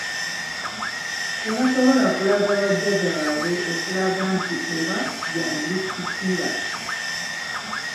Tebasobola kulaga bajjajja baabwe okulaga nti oba yalisikira.